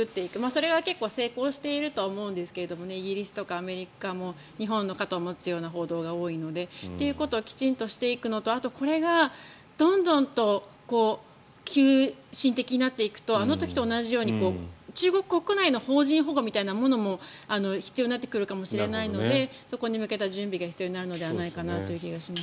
それが成功しているとは思うんですけどイギリスとかアメリカも日本の肩を持つような報道が多いので。ということをきちんとしていくのとあとこれがどんどんと急進的になっていくとあの時と同じように中国国内の邦人保護みたいなものも必要になってくるかもしれないのでそこに向けた準備が必要になるのではないかという気がします。